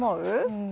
うん。